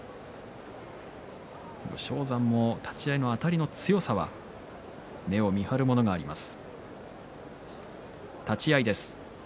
武将山も立ち合いのあたりの強さは目を見張るものがあります。